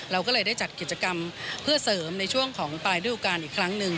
เราก็เลยได้จัดกิจกรรมเพื่อเสริมในช่วงของปลายฤดูการอีกครั้งหนึ่ง